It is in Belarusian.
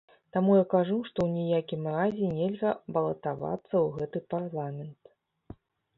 Таму я кажу, што ў ніякім разе нельга балатавацца ў гэты парламент.